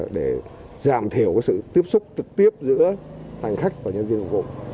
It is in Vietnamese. để giảm thiểu sự tiếp xúc trực tiếp giữa hành khách và nhân viên phục vụ